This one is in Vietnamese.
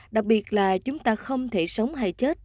đặc biệt là chúng ta không thể sống hay chết